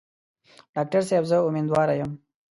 ډاکټر صاحب زه امیندواره یم.